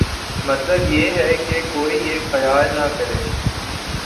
مطلب یہ ہے کہ کوئی یہ خیال نہ کرے